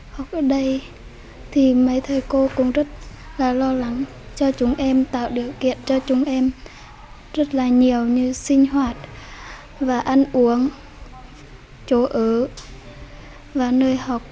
học ở đây thì mấy thầy cô cũng rất là lo lắng cho chúng em tạo điều kiện cho chúng em rất là nhiều như sinh hoạt và ăn uống chỗ ở và nơi học